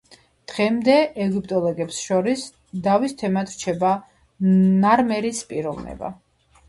დღემდე ეგვიპტოლოგებს შორის დავის თემად რჩება ნარმერის პიროვნება.